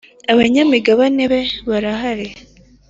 Abanyamigabane be barahari.